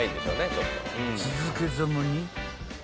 ［続けざまに］